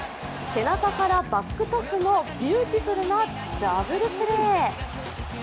背中からバックトスのビューティフルなダブルプレー。